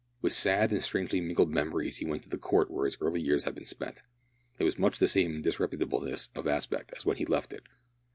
With sad and strangely mingled memories he went to the court where his early years had been spent. It was much the same in disreputableness of aspect as when he left it.